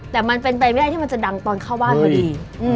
แต่มันเป็นไปไม่ได้ที่มันจะดังตอนเข้าบ้านพอดี